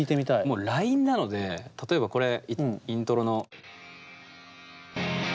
もうラインなので例えばこれイントロの。